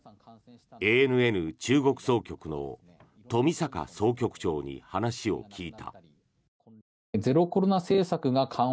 ＡＮＮ中国総局の冨坂総局長に話を聞いた。